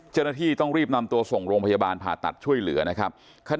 เจ้าหน้าที่ต้องรีบนำตัวส่งโรงพยาบาลผ่าตัดช่วยเหลือนะครับ